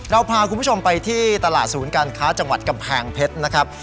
เราพาคุณผู้ชมไปที่ตลาดศูนย์การค้าจังหวัดกำแพงเพชรนะครับ